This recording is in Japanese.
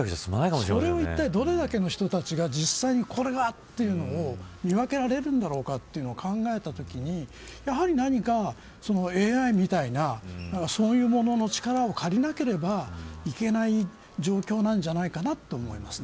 それをいったいどれだけの人たちが実際に、これだというのを見分けられるんだろうかというのを考えたときにやはり何かＡＩみたいなそういうものの力を借りなければいけない状況なんじゃないかなと思います。